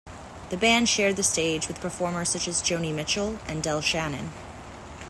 The band shared the stage with performers such as Joni Mitchell and Del Shannon.